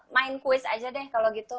main kuis aja deh kalau gitu